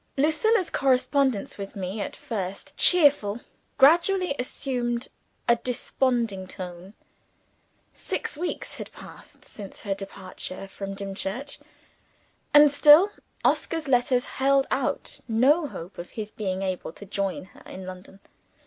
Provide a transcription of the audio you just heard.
Lucilla's correspondence with me at first cheerful gradually assumed a desponding tone. Six weeks had passed since her departure from Dimchurch; and still Oscar's letters held out no hope of his being able to join her in London.